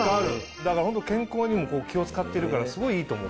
だから健康にも気を使ってるからすごいいいと思う